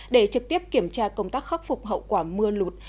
để trực tiếp kiểm tra công tác khắc phục hậu quả mưa lụt